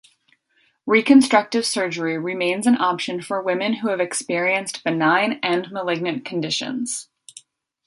Reconstructive surgery remains an option for women who have experienced benign and malignant conditions.